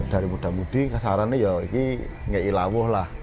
dari muda mudi sasaran ini ya ini tidak ilah lah